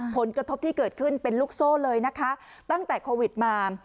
ผลกระทบที่เกิดขึ้นเป็นลูกโซ่เลยนะคะตั้งแต่โควิดมา